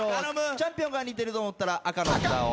チャンピオンが似てると思ったら赤の札を。